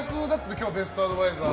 今日のベストアドバイザー。